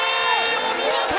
お見事！